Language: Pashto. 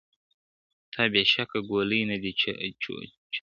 تا بېشکه ګولۍ نه دي چلولي ,